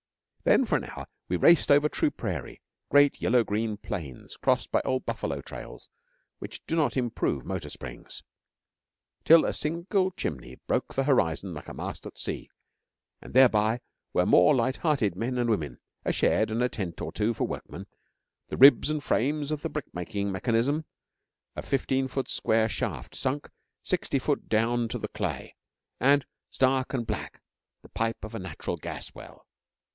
Then for an hour we raced over true prairie, great yellow green plains crossed by old buffalo trails, which do not improve motor springs, till a single chimney broke the horizon like a mast at sea; and thereby were more light hearted men and women, a shed and a tent or two for workmen, the ribs and frames of the brick making mechanism, a fifteen foot square shaft sunk, sixty foot down to the clay, and, stark and black, the pipe of a natural gas well.